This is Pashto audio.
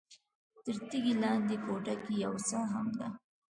تر تیږې لاندې کوټه کې یوه څاه هم ده.